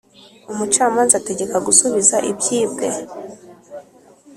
umucamanza ategeka gusubiza ibyibwe.